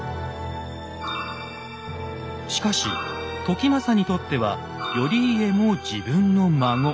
しかし時政にとっては頼家も自分の孫。